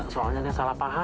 soalnya dia salah paham